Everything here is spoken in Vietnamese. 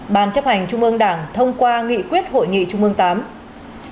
ban chấp hành trung ương đảng thông qua nghị quyết hội nghị trung ương viii